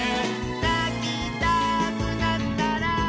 「なきたくなったら」